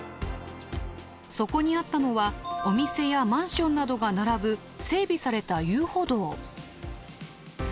そこにあったのはお店やマンションなどが並ぶ整備された遊歩道。